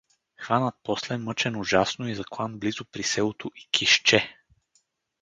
Хванат после, мъчен ужасно и заклан близо при селото Икизче.